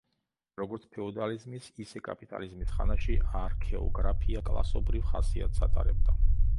როგორც ფეოდალიზმის, ისე კაპიტალიზმის ხანაში არქეოგრაფია კლასობრივ ხასიათს ატარებდა.